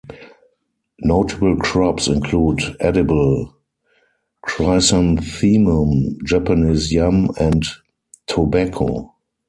Notable crops include edible chrysanthemum, Japanese yam and tobacco.